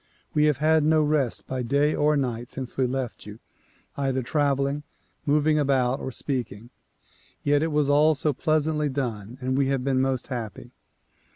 We have had no rest by day or night since we left you ; either traveling, moving about or speaking ; yet it was all so pleasantly done and we have been most happy.